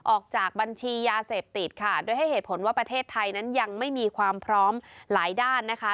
ออกจากบัญชียาเสพติดค่ะโดยให้เหตุผลว่าประเทศไทยนั้นยังไม่มีความพร้อมหลายด้านนะคะ